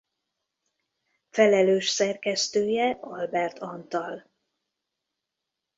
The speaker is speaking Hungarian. Felelős szerkesztője Albert Antal.